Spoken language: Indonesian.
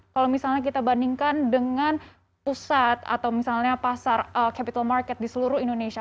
kalau misalnya kita bandingkan dengan pusat atau misalnya pasar capital market di seluruh indonesia